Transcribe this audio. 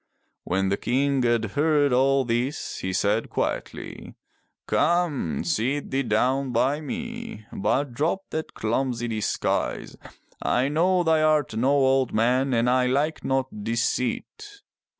When the King had heard all this he said quietly: "Come, sit thee down by me, but drop that clumsy disguise. I know thou art no old man and I like not deceit."